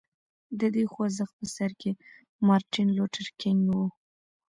د دې خوځښت په سر کې مارټین لوټر کینګ و.